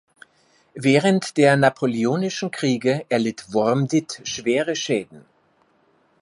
Während der napoleonischen Kriege erlitt Wormditt schwere Schäden.